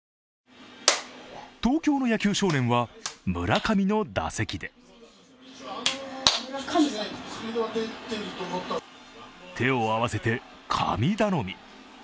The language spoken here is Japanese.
東京の野球少年は、村上の打席で手を合わせて、神頼み。